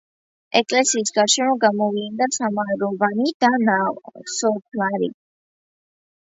ეკლესიის გარშემო გამოვლინდა სამაროვანი და ნასოფლარი.